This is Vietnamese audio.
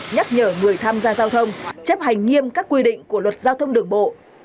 nhắc nhở người tham gia giao thông chấp hành nghiêm các quy định của luật giao thông đường bộ